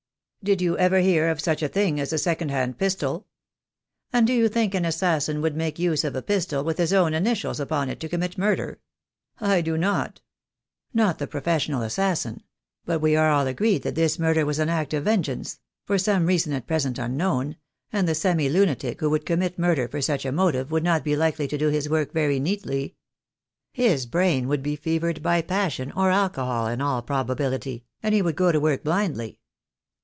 "Did you never hear of such a thing as a second hand pistol? And do you think an assassin would make use of a pistol with his own initials upon it to commit murder? I do not." "Not the professional assassin. But we are all agreed that this murder was an act of vengeance — for some reason at present unknown — and the semi lunatic who would commit murder for such a motive would not be likely to do his work very neatly. His brain would be fevered by passion or alcohol, in all probability, and he would go to work blindly."